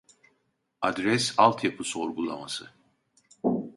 Adres altyapı sorgulaması